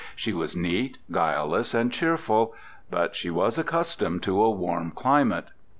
She was neat, guileless, and cheerful. But, she was accustomed to a warm climate.